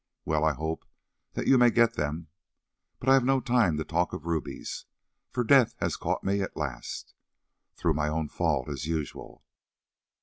Well, I hope that you may get them. But I have no time to talk of rubies, for death has caught me at last, through my own fault as usual.